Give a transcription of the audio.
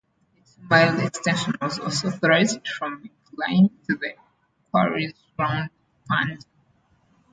A two-mile extension was also authorized from Glyn to the quarries around Pandy.